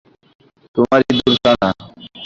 তোমার ইঁদুর ছানা।